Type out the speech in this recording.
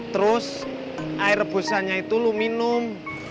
terus air rebusannya itu lu minum